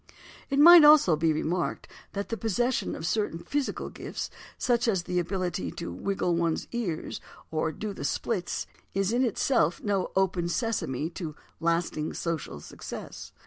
It might also be remarked that the possession of certain physical gifts—such as the ability to wriggle one's ears or do the "splits"—is in itself no "open sesame" to lasting social success.